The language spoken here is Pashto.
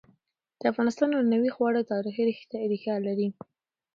د افغانستان عنعنوي خواړه تاریخي ريښه لري.